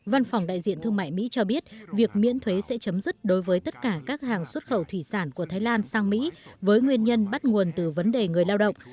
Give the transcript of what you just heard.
văn phòng đại diện thương mại mỹ cho biết việc miễn thuế sẽ chấm dứt đối với tất cả các hàng xuất khẩu thủy sản của thái lan sang mỹ với nguyên nhân bắt nguồn từ vấn đề người lao động